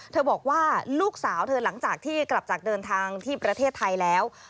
บอกว่าลูกสาวเธอหลังจากที่กลับจากเดินทางที่ประเทศไทยแล้ว